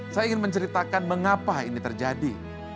saya ingin menceritakan mengapa ini terjadi